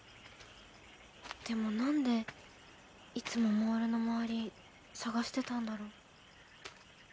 でもなんでいつもモールの周り探してたんだろ？